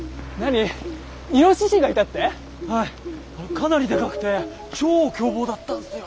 かなりでかくて超凶暴だったんすよ！